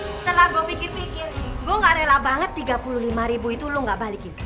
setelah gue pikir pikir nih gue gak rela banget tiga puluh lima ribu itu lo gak balikin